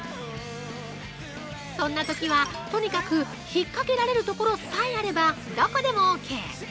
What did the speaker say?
そんなときは、とにかく引っ掛けられるところさえあればどこでもＯＫ。